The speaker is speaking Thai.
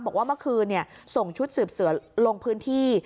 บอกว่าเมื่อคืนส่งชุดสืบเสือลงพื้นที่